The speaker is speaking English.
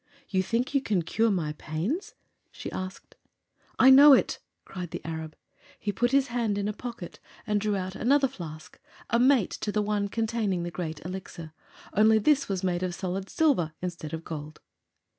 "You think you can cure my pains?" she asked. "I know it!" declared the Arab. He put his hand in a pocket and drew out another flask a mate to the one containing the Great Elixir; only this was made of solid silver instead of gold.